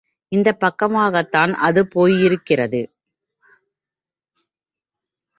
இந்தப் பக்கமாகத்தான் அது போயிருக்கிறது.